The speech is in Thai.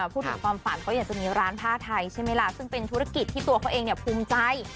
พูดถึงความฝันเขาอยากจะมีร้านผ้าไทยใช่ไหมล่ะซึ่งเป็นธุรกิจที่ตัวเขาเองเนี่ยภูมิใจ